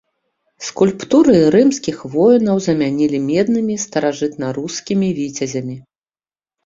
Скульптуры рымскіх воінаў замянілі меднымі старажытнарускімі віцязямі.